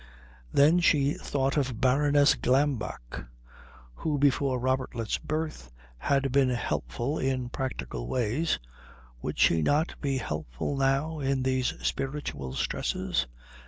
Then she thought of Baroness Glambeck, who before Robertlet's birth had been helpful in practical ways would she not be helpful now in these spiritual stresses?